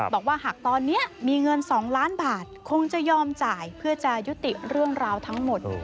บอกว่าหากตอนนี้มีเงิน๒ล้านบาทคงจะยอมจ่ายเพื่อจะยุติเรื่องราวทั้งหมด